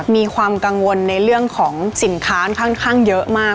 มีความกังวลในเรื่องของสินค้าค่อนข้างเยอะมาก